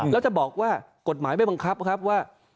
แล้วจะบอกว่ากฎหมายไม่บังคับครับว่า